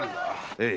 ええ。